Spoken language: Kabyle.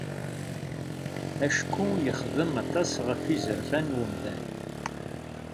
Acku yexdem aṭas ɣef yizefan n umdan.